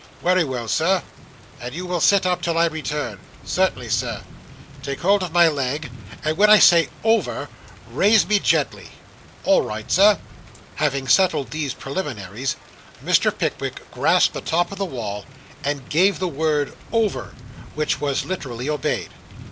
'Wery well, Sir.' 'And you will sit up, till I return.' 'Cert'nly, Sir.' 'Take hold of my leg; and, when I say "Over," raise me gently.' 'All right, sir.' Having settled these preliminaries, Mr. Pickwick grasped the top of the wall, and gave the word 'Over,' which was literally obeyed.